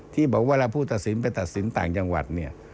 ที่บอกว่าเวลาผู้ตัดสินไปตัดสินต่างจังหวัดเนี่ย